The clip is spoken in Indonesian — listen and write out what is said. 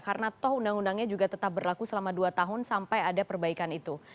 karena toh undang undangnya juga tetap berlaku selama dua tahun sampai ada perbaikan itu